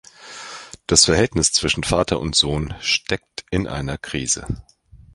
Das Verhältnis zwischen Vater und Sohn steckt in einer Krise.